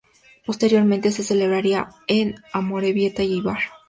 Posteriormente se celebraría en Amorebieta y Éibar.